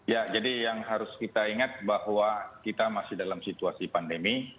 ya jadi yang harus kita ingat bahwa kita masih dalam situasi pandemi